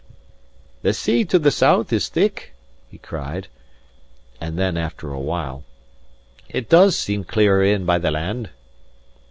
"The sea to the south is thick," he cried; and then, after a while, "it does seem clearer in by the land."